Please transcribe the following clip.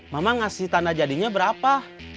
mama ngasih tanda jadinya berapa